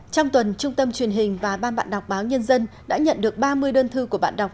trong tuần trung tâm truyền hình và ban bạn đọc báo nhân dân đã nhận được ba mươi đơn thư của bạn đọc